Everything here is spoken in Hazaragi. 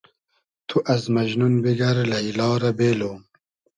تو از مئجنون بیگئر لݷلا رۂ بېلو